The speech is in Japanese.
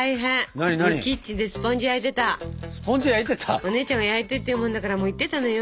お姉ちゃんが「焼いて」って言うもんだから行ってたのよ。